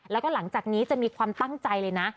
แล้วก็หลังจากนี้จะมีความตั้งใจเลยนะ